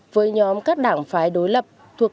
với nhóm các đảng phái đối lập